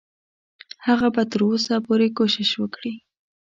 هغه به تر اوسه پورې کوشش وکړي.